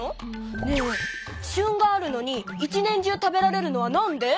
ねえしゅんがあるのに一年中食べられるのはなんで？